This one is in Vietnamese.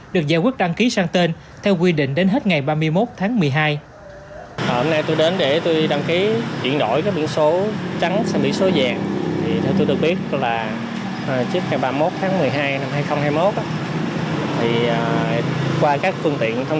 được giải quyết đăng ký sang tên theo quy định đến hết ngày ba mươi một tháng một mươi hai